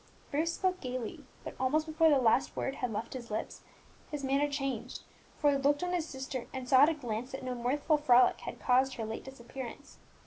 Bruce spoke gaily, but almost before the last word had left his lips his manner changed, for he looked on his sister, and saw at a glance that no mirthful frolic had caused her late disappearance.